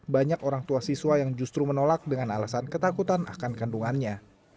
banyak orang tua siswa yang justru menolak dengan alasan ketakutan akan kandungannya